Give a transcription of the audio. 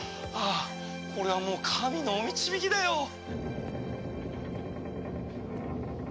ああこれはもう神のお導きだよ。